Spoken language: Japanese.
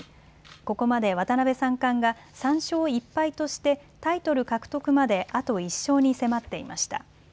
ここまで渡辺三冠が３勝１敗としてタイトル獲得まであと１勝に迫っていました。